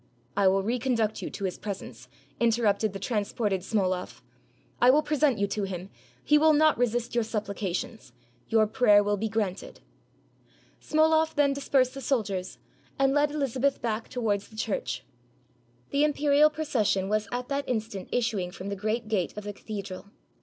— "I will reconduct you to his presence," interrupted the transported Smoloff ; "I will present you to him: he will not resist your sup plications: your prayer will be granted." Smoloff then dispersed the soldiers, and led Elizabeth back towards the church. The imperial procession was at that instant issuing from the great gate of the cathedral.